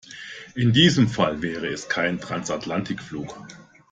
In diesem Fall wäre es kein Transatlantikflug.